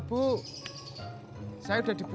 bisa dua aku pinjam bu